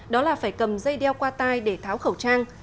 đó là phải cầm dây đeo qua tay để tháo khẩu trang